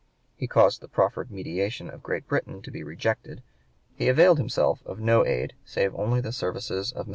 He caused the proffered mediation of (p. 114) Great Britain to be rejected. He availed himself of no aid save only the services of Mons.